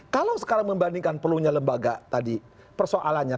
kalau sekarang membandingkan perlunya lembaga tadi persoalannya